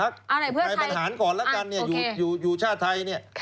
ใครประหารก่อนละกันอยู่ชาติไทย